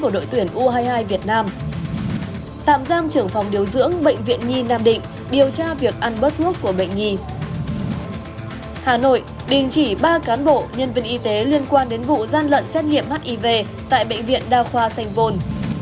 đình chỉ ba cán bộ nhân viên y tế liên quan đến vụ gian lận xét nghiệm hiv tại bệnh viện đa khoa sành vôn